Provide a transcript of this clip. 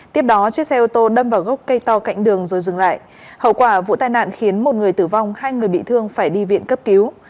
tiếp đó chiếc xe ô tô đâm vào gốc cây to cạnh đường rồi dừng lại hậu quả vụ tai nạn khiến một người tử vong hai người bị thương phải đi viện cấp cứu